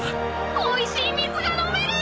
おいしい水が飲める！